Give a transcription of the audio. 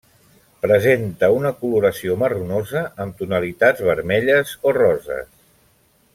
Presenta una coloració marronosa amb tonalitats vermelles o roses.